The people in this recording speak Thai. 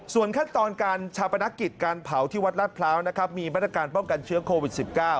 ส่วนขั้นตอนการชาปนกิจการเผาที่วัดราชพร้าวนะครับมีมาตรการป้องกันเชื้อโควิด๑๙